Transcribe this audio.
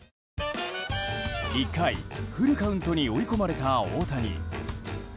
１回、フルカウントに追い込まれた大谷。